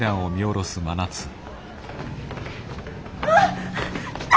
あっ！来た！